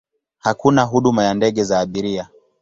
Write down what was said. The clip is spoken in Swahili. Hakuna huduma ya ndege za abiria.